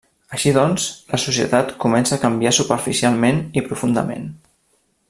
Així doncs, la societat comença a canviar superficialment i profundament.